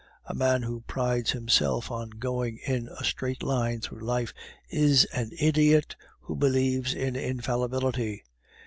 A man who prides himself on going in a straight line through life is an idiot who believes in infallibility.